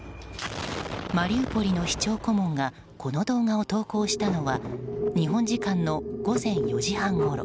マリウポリの市長顧問がこの動画を投稿したのは日本時間の午前４時半ごろ。